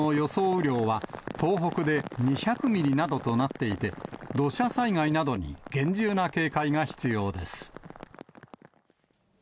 雨量は、東北で２００ミリなどとなっていて、土砂災害などに厳重な警戒が必要です。